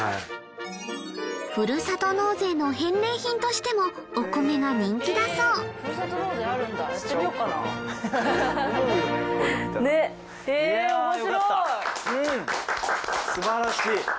ふるさと納税の返礼品としてもお米が人気だそうへぇ面白い。